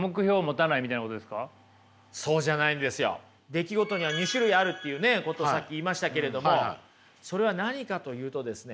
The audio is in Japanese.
出来事には２種類あるということをさっき言いましたけれどもそれは何かと言うとですね